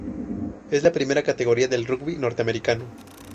Es la primera categoría del rugby norteamericano.